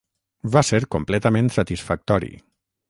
Va ser completament satisfactori.